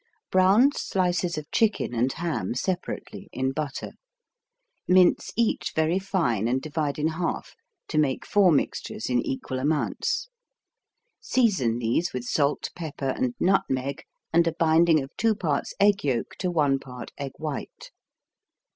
Brown slices of chicken and ham separately, in butter. Mince each very fine and divide in half, to make four mixtures in equal amounts. Season these with salt, pepper and nutmeg and a binding of 2 parts egg yolk to I part egg white.